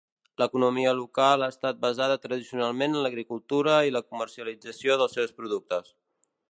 L'economia local ha estat basada tradicionalment en l'agricultura i la comercialització dels seus productes.